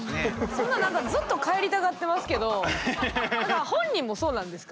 そんな何かずっと帰りたがってますけど本人もそうなんですか？